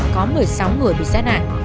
có một mươi sáu người bị sát hại